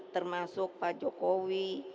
termasuk pak jokowi